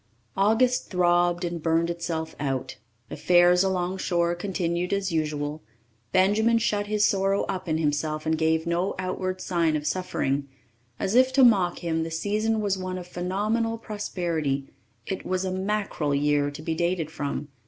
August throbbed and burned itself out. Affairs along shore continued as usual. Benjamin shut his sorrow up in himself and gave no outward sign of suffering. As if to mock him, the season was one of phenomenal prosperity; it was a "mackerel year" to be dated from.